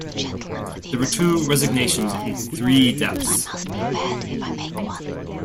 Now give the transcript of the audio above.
There were two resignations and three deaths.